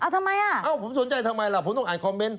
ทำไมอ่ะเอ้าผมสนใจทำไมล่ะผมต้องอ่านคอมเมนต